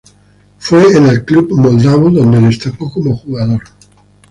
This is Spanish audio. Fue en el club moldavo donde destacó como jugador.